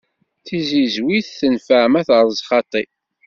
Tizizwit tenfeɛ ma d areẓ xaṭi.